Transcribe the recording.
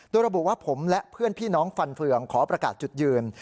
โดยระบุว่าผมและเพื่อนพี่น้องฟันเฟืองขอประกาศจุดยืน